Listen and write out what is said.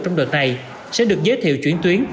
trong đợt này sẽ được giới thiệu chuyển tuyến